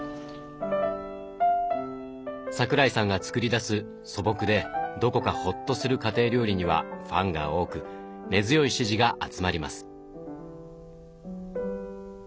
桜井さんが作り出す素朴でどこかホッとする家庭料理にはファンが多く根強い支持が集まります。